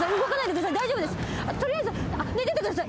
取りあえず寝ててください。